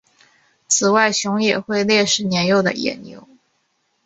此外熊也会猎食年幼的野牛。